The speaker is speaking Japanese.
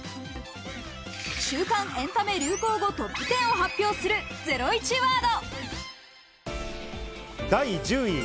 週間エンタメ流行語トップテンを発表するゼロイチワード。